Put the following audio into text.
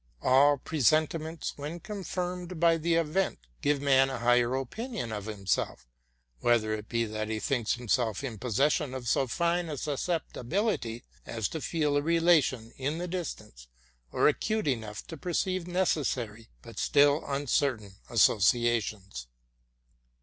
All pre sentiments, when confirmed by the event, give man a higher opinion of himself, whether it be that he thinks himself in possession of so fine a susceptibility as to feel a relation in the distance, or acute enough to perceive necessary but still uncertain associations.